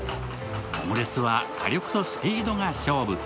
オムレツは火力とスピードが勝負。